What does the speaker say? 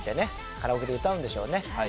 カラオケで歌うんでしょうね。